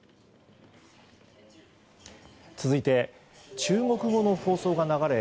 続いて中国語の放送が流れ